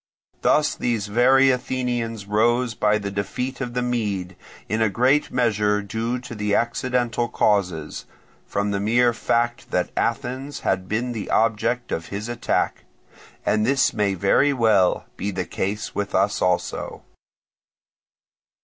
Thus these very Athenians rose by the defeat of the Mede, in a great measure due to accidental causes, from the mere fact that Athens had been the object of his attack; and this may very well be the case with us also.